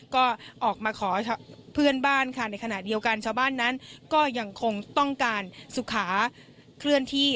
ก็ออกมาขอเพื่อนบ้านค่ะในขณะเดียวกันชาวบ้านนั้นก็ยังคงต้องการสุขาเคลื่อนที่